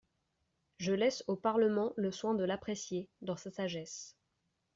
Je laisse au Parlement le soin de l’apprécier, dans sa sagesse.